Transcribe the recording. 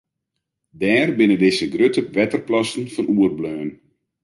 Dêr binne dizze grutte wetterplassen fan oerbleaun.